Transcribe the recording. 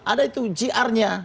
ada itu grnya